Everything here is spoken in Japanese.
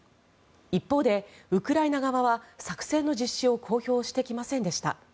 一方で、ウクライナ側は作戦の実施を公表してきませんでした。